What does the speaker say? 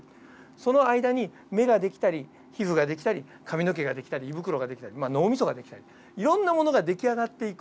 その間に目ができたり皮膚ができたり髪の毛ができたり胃袋ができたり脳みそができたりいろんなものができあがっていく。